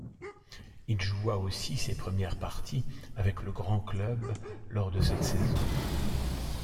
Il joua aussi ses premières parties avec le grand club lors de cette saison.